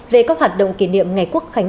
về các hoạt động kỷ niệm ngày quốc khánh